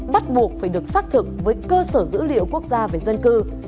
bắt buộc phải được xác thực với cơ sở dữ liệu quốc gia về dân cư